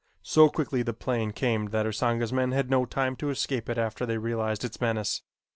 So quickly the plane came that Usanga's men had no time to escape it after they realized its menace.